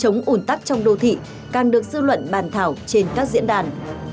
cắp treo chống ủn tắc trong đô thị càng được dư luận bàn thảo trên các diễn đàn